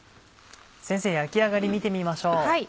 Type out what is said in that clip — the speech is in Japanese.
先生焼き上がり見てみましょう。